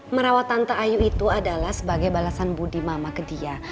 merawat tante ayu itu adalah sebagai balasan budi mama ke dia